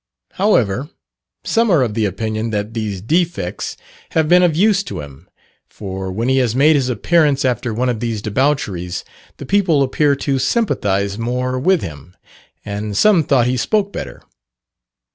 However, some are of opinion that these defects have been of use to him; for when he has made his appearance after one of these debaucheries, the people appear to sympathize more with him, and some thought he spoke better.